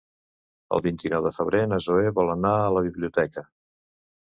El vint-i-nou de febrer na Zoè vol anar a la biblioteca.